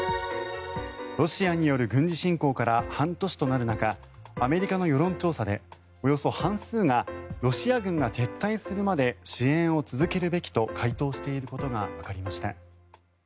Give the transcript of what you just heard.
ロシアによる軍事侵攻から半年となる中アメリカの世論調査でおよそ半数がロシア軍が撤退するまで支援を続けるべきと回答していることがわかりました。